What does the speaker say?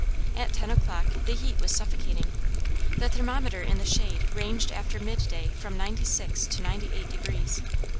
At ten o'clock the heat was suffocating. The thermometer in the shade ranged after midday from ninety six to ninety eight degrees.